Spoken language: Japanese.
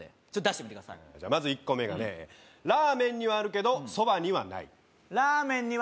まず１個目が、ラーメンにはあるけどそばにはない。